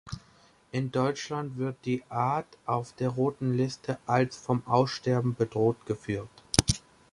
In Deutschland wird die Art auf der Roten Liste als „Vom Aussterben bedroht“ geführt.